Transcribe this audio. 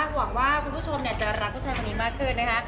หวังว่าคุณผู้ชมจะรักผู้ชายคนนี้มากขึ้นนะคะ